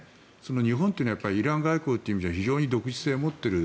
日本というのはイラン外交という意味では非常に独自性を持っている。